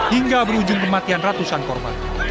hingga berujung kematian ratusan korban